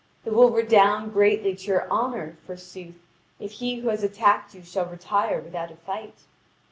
It will redound greatly to your honour, forsooth, if he who has attacked you shall retire without a fight!